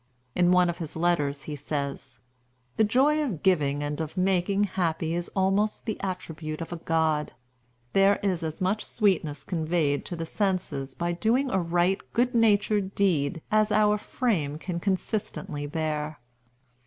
In one of his letters he says: "The joy of giving and of making happy is almost the attribute of a god. There is as much sweetness conveyed to the senses by doing a right good natured deed as our frame can consistently bear."